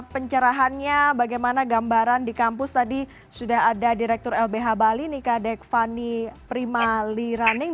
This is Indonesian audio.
pencerahannya bagaimana gambaran di kampus tadi sudah ada direktur lbh bali nika dekvani primaliraning